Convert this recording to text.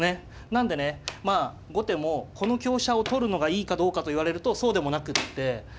なんでね後手もこの香車を取るのがいいかどうかと言われるとそうでもなくって。